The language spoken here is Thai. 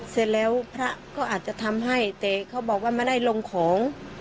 เสร็จแล้วพระก็อาจจะทำให้แต่เขาบอกว่าไม่ได้ลงของ